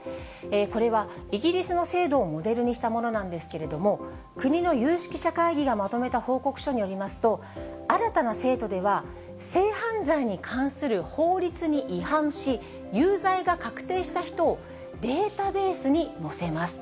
これはイギリスの制度をモデルにしたものなんですけれども、国の有識者会議がまとめた報告書によりますと、新たな制度では、性犯罪に関する法律に違反し、有罪が確定した人をデータベースに載せます。